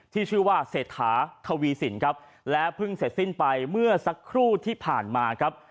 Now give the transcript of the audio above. ที่ชื่อว่าเศรษฐาทวีสินครับและเพิ่งเสร็จสิ้นไปเมื่อสักครู่ที่ผ่านมาครับ